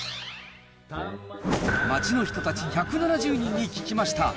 街の人たち１７０人に聞きました。